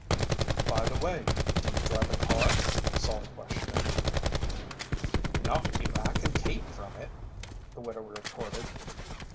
"By the way, do you drive a car?" Salt questioned. "Not if I kin keep from it," the widow retorted.